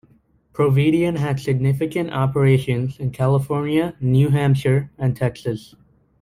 Providian had significant operations in California, New Hampshire, and Texas.